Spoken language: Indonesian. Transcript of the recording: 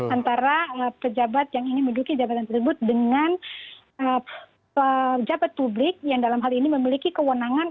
antara pejabat yang ingin menduduki jabatan tersebut dengan pejabat publik yang dalam hal ini memiliki kewenangan